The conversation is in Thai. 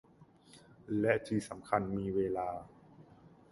และที่สำคัญมีเวลา